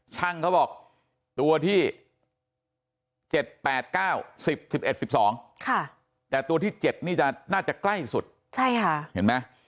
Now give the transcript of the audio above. เขาบอกตัวที่๗๘๙๑๐๑๑๑๑๒แต่ตัวที่๗นี่น่าจะใกล้สุดเห็นไหม